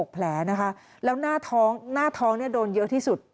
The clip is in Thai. แผลนะคะแล้วหน้าท้องหน้าท้องเนี่ยโดนเยอะที่สุด